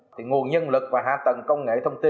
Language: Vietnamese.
thì nguồn nhân lực và hạ tầng công nghệ thông tin